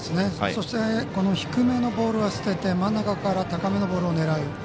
そして低めのボールは捨てて真ん中から、高めのボールを狙う